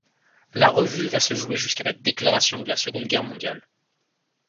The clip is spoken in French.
La revue va se jouer jusqu'à la déclaration de la Seconde Guerre mondiale.